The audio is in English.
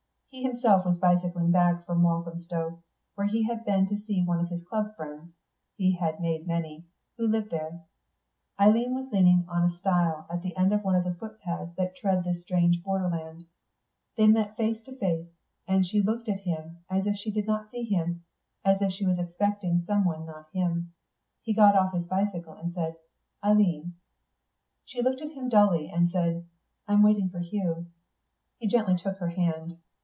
He himself was bicycling back from Walthamstow, where he had been to see one of his Club friends (he had made many) who lived there. Eileen was leaning on a stile at the end of one of the footpaths that thread this strange borderland. They met face to face; and she looked at him as if she did not see him, as if she was expecting someone not him. He got off his bicycle, and said "Eileen." She looked at him dully, and said, "I'm waiting for Hugh." He gently took her hand.